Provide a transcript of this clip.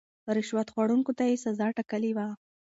رشوت خوړونکو ته يې سزا ټاکلې وه.